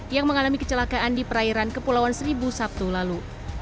yang mengalami kecelakaan di perairan kepulauan seribu sabtu lalu